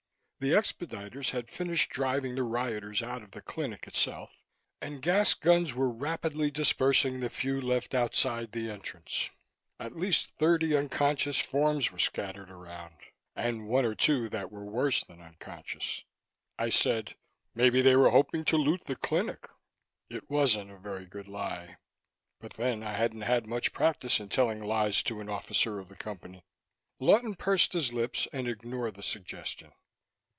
The expediters had finished driving the rioters out of the clinic itself, and gas guns were rapidly dispersing the few left outside the entrance. At least thirty unconscious forms were scattered around and one or two that were worse than unconscious. I said, "Maybe they were hoping to loot the clinic." It wasn't a very good lie. But then, I hadn't had much practice in telling lies to an officer of the Company. Lawton pursed his lips and ignored the suggestion.